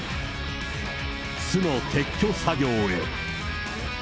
巣の撤去作業へ。